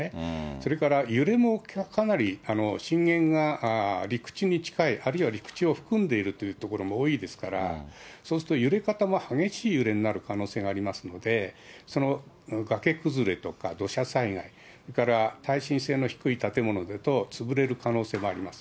それから揺れもかなり震源が陸地に近い、あるいは陸地を含んでいるという所も多いですから、そうすると揺れ方も激しい揺れになる可能性もありますので、その崖崩れとか、土砂災害、それから耐震性の低い建物だと、潰れる可能性もあります。